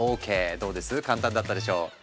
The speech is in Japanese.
どうです簡単だったでしょ。